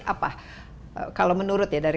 apa kalau menurut ya dari